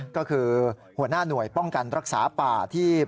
ก็คือหัวหน้าหน่วยป้องกันรักษาป่าที่